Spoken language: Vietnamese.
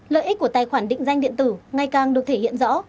lợi ích của tài khoản định danh điện tử ngày càng được thể hiện rõ